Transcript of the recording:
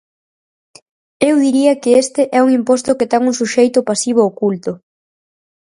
Eu diría que este é un imposto que ten un suxeito pasivo oculto.